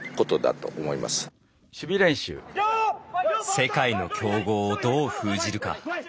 世界の強豪をどう封じるか。